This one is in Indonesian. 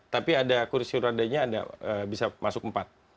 tapi ada kursi rodanya bisa masuk empat